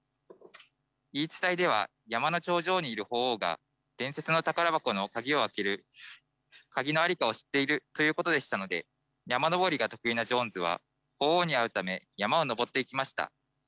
言い伝えでは山の頂上にいる鳳凰が伝説の宝箱の鍵を開ける鍵の在りかを知っているということでしたので山登りが得意なジョーンズは鳳凰に会うため山を登っていきました。